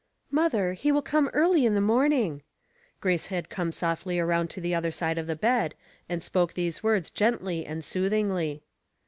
'*" Mother, he will come early in the morning." Grace had come softly around to the other side of the bed, and spoke these words gently and soothingly.